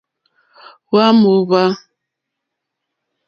Hwá mòhwá.